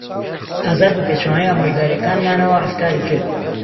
ئازاد بەپێچەوانەی ئامۆژگارییەکانمانەوە ڕەفتاری کرد.